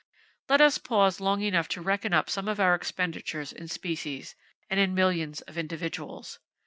Let us pause long enough to reckon up some of our expenditures in species, and in millions of individuals.